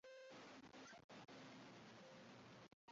紫红鞘薹草为莎草科薹草属的植物。